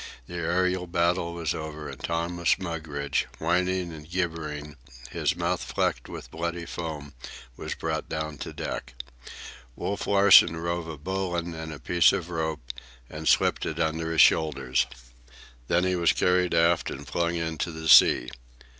The aërial battle was over, and Thomas Mugridge, whining and gibbering, his mouth flecked with bloody foam, was brought down to deck. Wolf Larsen rove a bowline in a piece of rope and slipped it under his shoulders. Then he was carried aft and flung into the sea.